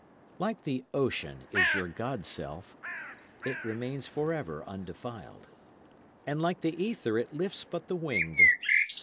Like the ocean is your god self; It remains for ever undefiled. And like the ether it lifts but the winged.